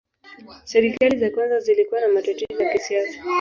Serikali za kwanza zilikuwa na matatizo ya kisiasa.